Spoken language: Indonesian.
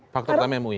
faktor utamanya mui